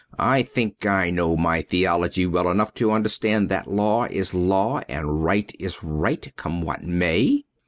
"I think I know my theology well enough to understand that law is law and right is right, come what may."